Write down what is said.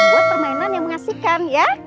buat permainan yang mengasihkan ya